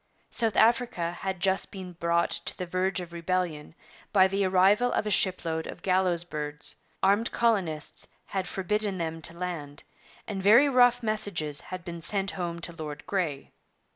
South Africa had just been brought to the verge of rebellion by the arrival of a shipload of gallows birds; armed colonists had forbidden them to land, and very rough messages had been sent home to Lord Grey.